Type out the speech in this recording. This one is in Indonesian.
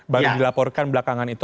bagi dilaporkan belakangan itu